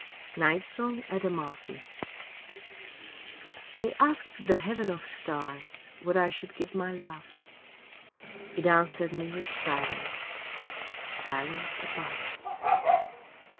V Night Song at Amalfi I asked the heaven of stars What I should give my love It answered me with silence, Silence above.